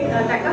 tại vác sa va